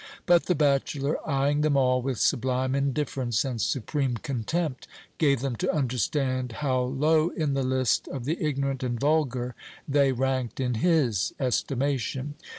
But the bachelor, eyeing them all with sublime indifference and supreme contempt, gave them to understand how low in the list of the ignorant and vulgar they ranked in his estimation.